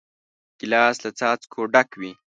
ګیلاس له څاڅکو ډک وي.